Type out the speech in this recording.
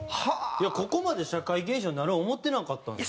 ここまで社会現象になる思ってなかったんですか？